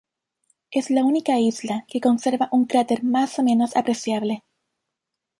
Es la única isla que conserva un cráter más o menos apreciable.